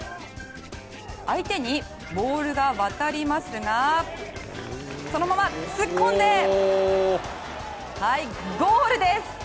相手にボールが渡りますがそのまま突っ込んでゴールです。